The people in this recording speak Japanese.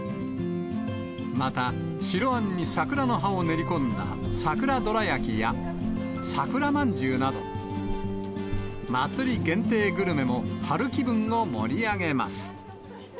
また、白あんに桜の葉を練り込んだ桜どらやきや、桜まんじゅうなど、祭り限定グルメも、春気分を盛り上げます。